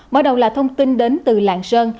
mở đầu là thông tin đến từ làng sơn